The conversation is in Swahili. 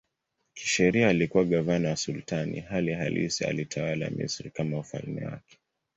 Kisheria alikuwa gavana wa sultani, hali halisi alitawala Misri kama ufalme wake.